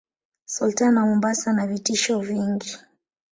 Sultan wa Mombasa anavitisho vingi